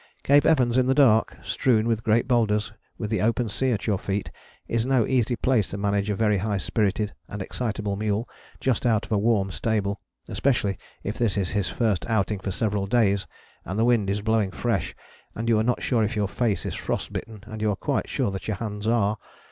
Cape Evans in the dark, strewn with great boulders, with the open sea at your feet, is no easy place to manage a very high spirited and excitable mule, just out of a warm stable, especially if this is his first outing for several days and the wind is blowing fresh, and you are not sure if your face is frost bitten, and you are quite sure that your hands are.